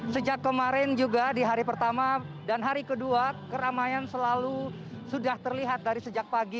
sejak kemarin juga di hari pertama dan hari kedua keramaian selalu sudah terlihat dari sejak pagi